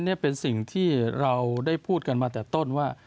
นี่เป็นสิ่งที่เราได้พูดกันมาแต่ต้นว่า